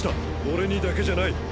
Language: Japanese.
俺にだけじゃない。